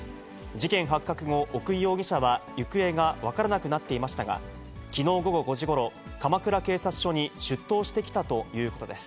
事件発覚後、奥井容疑者は行方が分からなくなっていましたが、きのう午後５時ごろ、鎌倉警察署に出頭してきたということです。